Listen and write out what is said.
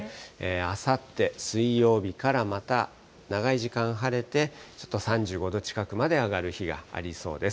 あさって水曜日から、また長い時間晴れて、ちょっと３５度近くまで上がる日がありそうです。